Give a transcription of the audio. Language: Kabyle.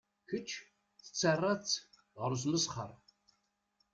Kečč tettaraḍ-tt ɣer usmesxer.